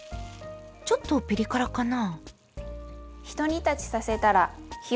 ちょっとピリ辛かな？